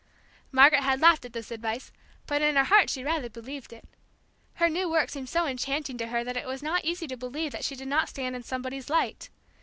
Margaret had laughed at this advice, but in her heart she rather believed it. Her new work seemed so enchanting to her that it was not easy to believe that she did not stand in somebody's light.